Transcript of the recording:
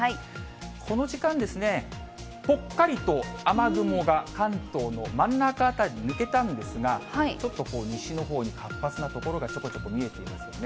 この時間ですね、ぽっかりと雨雲が関東の真ん中辺りに抜けたんですが、ちょっと西のほうに活発な所がちょこちょこ見えていますよね。